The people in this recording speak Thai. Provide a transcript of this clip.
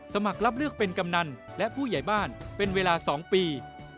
สมัครรับเลือกเป็นกำนันและผู้ใหญ่บ้านเป็นเวลา๒ปี